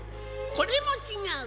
これもちがう。